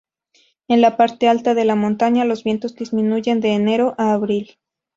En la parte alta de montaña los vientos disminuyen de enero a abril.